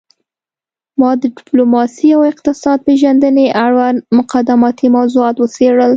ما د ډیپلوماسي او اقتصاد پیژندنې اړوند مقدماتي موضوعات وڅیړل